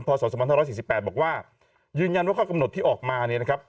พสศ๑๔๘บอกว่ายืนยันว่าข้อกำหนดที่ออกมา